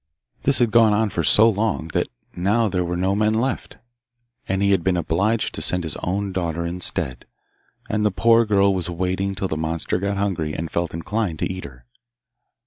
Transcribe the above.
This had gone on so long that now there were no men left, and he had been obliged to send his own daughter instead, and the poor girl was waiting till the monster got hungry and felt inclined to eat her.